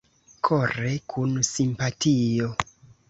Kore, kun simpatio!